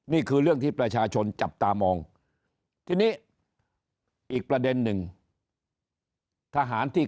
นี่คือเรื่องที่ประชาชนจับตามองทีนี้อีกประเด็นหนึ่งทหารที่